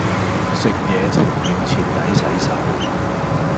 食野前要徹底洗手